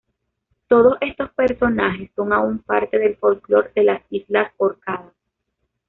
Todos estos personajes son aún parte del folclore de las islas Orcadas.